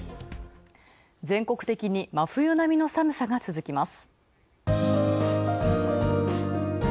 全国的に真冬並みの寒さが続きます。